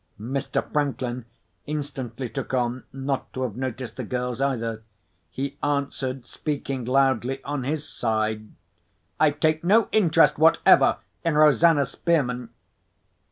Mr. Franklin instantly took on not to have noticed the girls either. He answered, speaking loudly on his side: "I take no interest whatever in Rosanna Spearman."